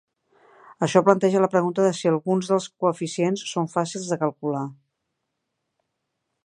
Això planteja la pregunta de si alguns dels coeficients són fàcils de calcular.